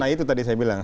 nah itu tadi saya bilang